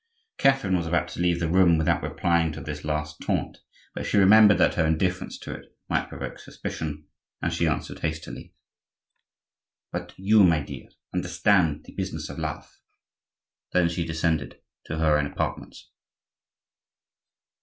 Catherine was about to leave the room without replying to this last taunt; but she remembered that her indifference to it might provoke suspicion, and she answered hastily:— "But you, my dear, understand the business of love." Then she descended to her own apartments.